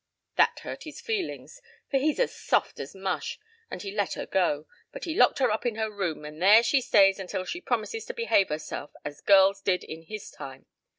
That hurt his feelings, for he's as soft as mush, and he let her go; but he locked her up in her room and there she stays until she promises to behave herself as girls did in his time.